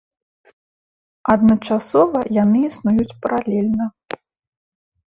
Адначасова яны існуюць паралельна.